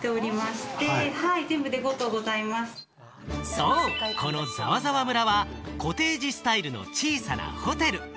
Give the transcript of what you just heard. そう、このザワザワ村はコテージスタイルの小さなホテル。